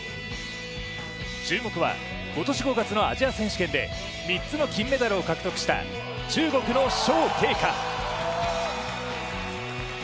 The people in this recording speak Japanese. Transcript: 注目は今年５月のアジア選手権で３つの金メダルを獲得した、中国のショウ・ケイカ。